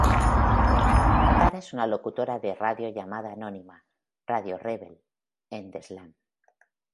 Tara es una locutora de radio llamada anónima, Radio Rebel, en The Slam.